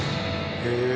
へえ！